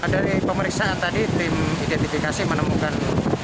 dari pemeriksaan tadi tim identifikasi menemukan